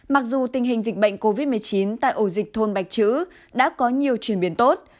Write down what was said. mặc dù tình hình dịch bệnh covid một mươi chín tại ổ dịch thôn bạch chữ đã có nhiều chuyển biến tốt